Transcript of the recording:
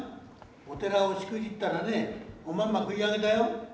お寺をしくじったらねおまんま食い上げだよ」。